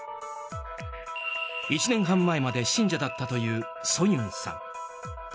１年半前まで信者だったというソユンさん。